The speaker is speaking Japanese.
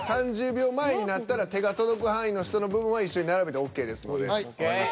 ３０秒前になったら手が届く範囲の人の部分は一緒に並べてＯＫですので。